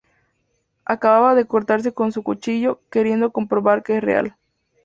Acababa de cortarse con un cuchillo, queriendo comprobar que es real.